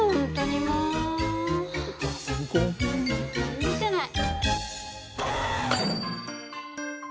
許せない。